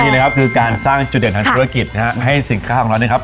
นี่นะครับคือการสร้างจุดเด่นทางธุรกิจนะฮะให้สินค้าของเรานะครับ